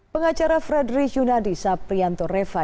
pengacara frederick yunadisa priyantoreva